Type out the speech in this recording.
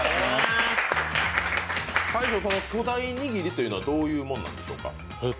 巨大握りというのはどういうものなんでしょうか？